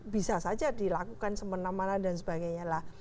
bisa saja dilakukan semena mena dan sebagainya lah